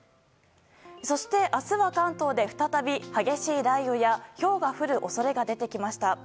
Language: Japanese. そして明日は関東で、再び激しい雷雨やひょうが降る恐れが出てきました。